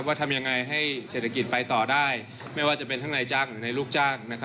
ทำยังไงให้เศรษฐกิจไปต่อได้ไม่ว่าจะเป็นทั้งนายจ้างหรือในลูกจ้าง